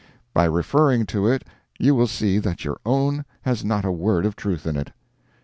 By referring to it you will see that your own has not a word of truth in it.